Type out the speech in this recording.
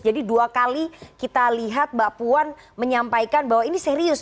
jadi dua kali kita lihat mbak puan menyampaikan bahwa ini serius